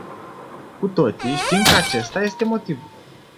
Cu toții știm că acesta este motivul.